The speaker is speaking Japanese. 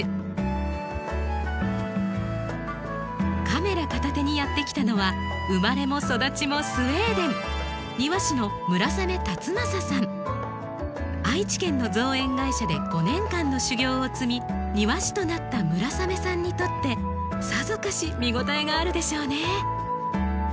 カメラ片手にやって来たのは生まれも育ちもスウェーデン愛知県の造園会社で５年間の修業を積み庭師となった村雨さんにとってさぞかし見応えがあるでしょうね。